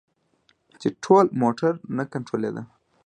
چې ټول موټر نه کنترولیده.